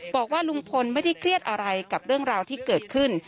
บอกว่าลุงพลไม่ได้เครียดอะไรกับเรื่องราวที่เกิดขึ้น